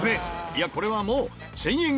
いやこれはもう１０００円